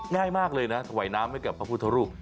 ง่ายมากเลยนะถวายน้ำให้กับพระพุทธรูป